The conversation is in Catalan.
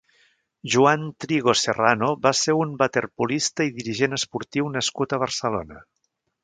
Joan Trigo Serrano va ser un waterpolista i dirigent esportiu nascut a Barcelona.